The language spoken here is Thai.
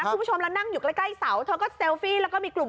คุณผู้ชมแล้วนั่งอยู่ใกล้เซลฟี่แล้วก็มีกลุ่มเพื่อนอยู่ข้างหน้า